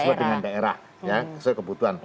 sesuai dengan daerah ya sesuai kebutuhan